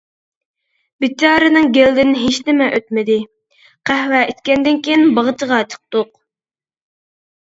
بىچارىنىڭ گېلىدىن ھېچنېمە ئۆتمىدى، قەھۋە ئىچكەندىن كېيىن باغچىغا چىقتۇق.